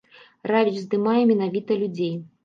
Равіч здымае менавіта людзей.